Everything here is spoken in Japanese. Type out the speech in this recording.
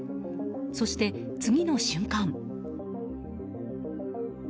そして、次の瞬間。